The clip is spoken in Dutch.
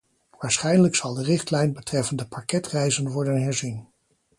Waarschijnlijk zal de richtlijn betreffende pakketreizen worden herzien.